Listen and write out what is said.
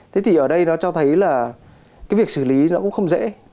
thế thì ở đây nó cho thấy là cái việc xử lý nó cũng không dễ